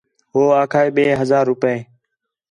ہو آکھا ہِے ٻَئہ ہزار روپے